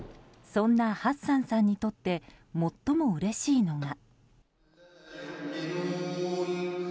そんなハッサンさんにとって最もうれしいのが。